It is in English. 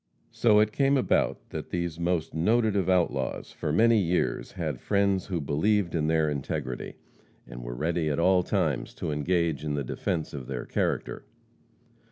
So it came about that these most noted of outlaws for many years had friends who believed in their integrity, and were ready at all times to engage in the defense of their character.